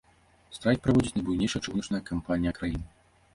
Страйк праводзіць найбуйнейшая чыгуначная кампанія краіны.